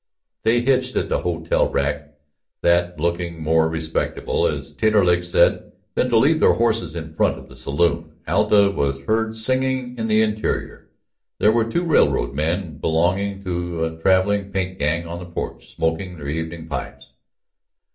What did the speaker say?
They hitched at the hotel rack, that looking more respectable, as Taterleg said, than to leave their horses in front of the saloon. Alta was heard singing in the interior; there were two railroad men belonging to a traveling paint gang on the porch smoking their evening pipes.